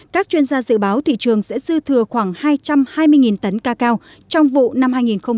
các chuyên gia dự báo thị trường sẽ dư thừa khoảng hai trăm hai mươi tấn cacao trong vụ năm hai nghìn hai mươi hai nghìn hai mươi một